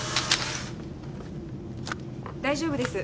大丈夫です。